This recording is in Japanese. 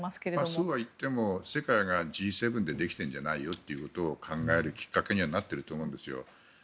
そうはいっても世界がＧ７でできてるんじゃないよということを考えるきっかけにはなっていると思うんですよ。